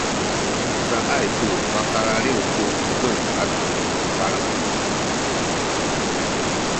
caay tu pakalaliw ku edu atu balaut